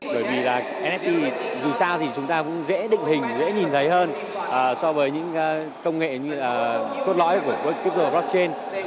bởi vì là nft dù sao thì chúng ta cũng dễ định hình dễ nhìn thấy hơn so với những công nghệ như là cốt lõi của blockchain